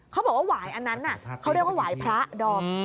เขาบอกว่าหวายอันนั้นเขาเรียกว่าหวายพระดอม